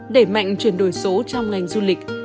đẩy mạnh chuyển đổi số trong ngành du lịch